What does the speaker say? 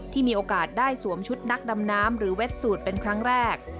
มีโอกาสได้สวมชุดนักดำน้ำหรือเว็ดสูตรเป็นครั้งแรก